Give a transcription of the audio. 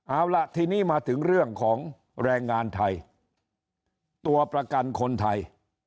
เอาล่ะทีนี้มาถึงเรื่องของแรงงานไทยตัวประกันคนไทย